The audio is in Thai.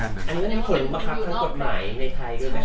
อันนี้เป็นวิวนอกใหม่ในไทยใช่ไหมครับ